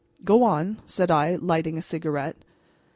"Go on," said I, lighting a cigarette.